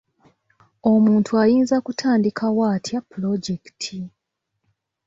Omuntu ayinza kutandikawo atya pulojekiti?